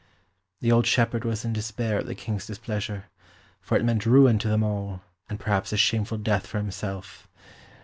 The old shepherd was in despair at the King's displeasure, for it meant ruin to them all, and perhaps a shameful death for himself.